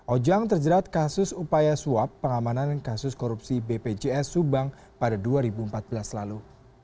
ojang terjerat kasus upaya suap pengamanan kasus korupsi bpjs subang pada dua ribu empat belas lalu